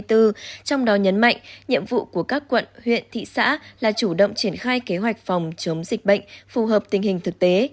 trong đó nhấn mạnh nhiệm vụ của các quận huyện thị xã là chủ động triển khai kế hoạch phòng chống dịch bệnh phù hợp tình hình thực tế